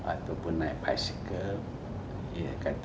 ataupun naik bisiklet